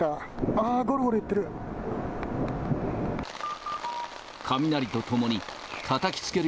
あー、ごろごろいってる。